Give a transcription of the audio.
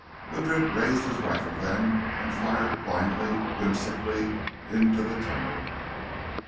Madrid raised his rifle then and fired blindly, whimsically, into the tunnel.